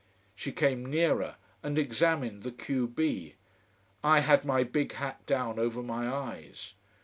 She came nearer, and examined the q b. I had my big hat down over my eyes.